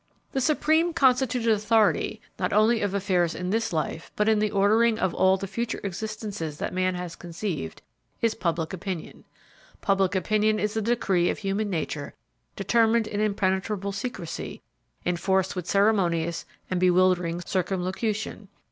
The supreme constituted authority not only of affairs in this life but in the ordering of all the future existences that man has conceived is Public Opinion. Public opinion is the decree of human nature determined in impenetrable secrecy, enforced with ceremonious and bewildering circumlocution.